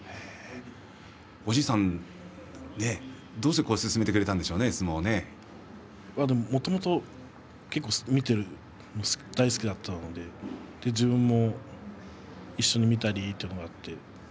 おじいさん、どうしてもともと結構、見ているのが大好きだったので自分も一緒に見たりということもあって